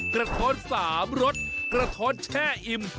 กระท้อน๓รสกระท้อนแช่อิ่ม